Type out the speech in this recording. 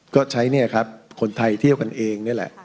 ก็ใช้เนี่ยครับคนไทยเที่ยวกันเองนี่แหละ